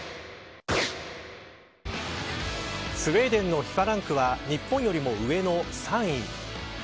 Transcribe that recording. スウェーデンのＦＩＦＡランクは日本よりも上の３位。